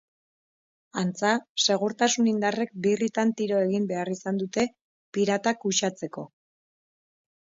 Antza, segurtasun indarrek birritan tiro egin behar izan dute piratak uxatzeko.